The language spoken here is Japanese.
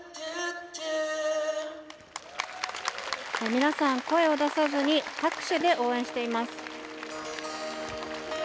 皆さん声を出さずに拍手で応援しています。